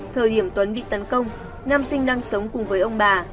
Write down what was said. thời điểm tuấn bị tấn công nam sinh đang sống cùng với ông bà